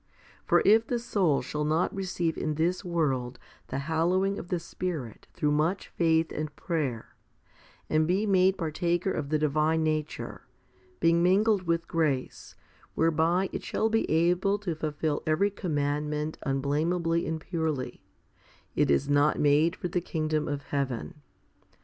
For if the soul shall not receive in this world the hallowing of the Spirit through much faith and prayer, and be made partaker of the divine nature, being mingled with grace whereby it shall be able to fulfil every commandment unblameably and purely, it is not made for the kingdom of heaven.